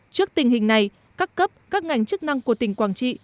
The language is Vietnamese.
trước tình hình này các cấp các ngành chức năng của tỉnh quảng trị